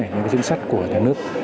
những chính sách của nhà nước